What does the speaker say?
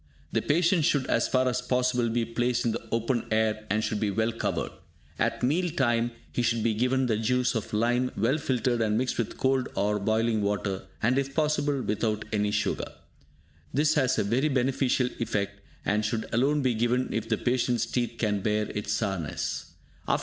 The patient should, as far as possible, be placed in the open air, and should be well covered. At meal time, he should be given the juice of lime, well filtered and mixed with cold or boiling water, and if possible, without any sugar. This has a very beneficial effect, and should alone be given if the patient's teeth can bear its sourness.